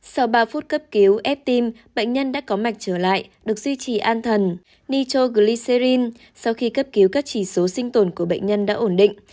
sau ba phút cấp cứu ép tim bệnh nhân đã có mạch trở lại được duy trì an thần nitrogliserin sau khi cấp cứu các chỉ số sinh tồn của bệnh nhân đã ổn định